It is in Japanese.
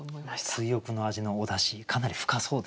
追憶の味のおだしかなり深そうですね。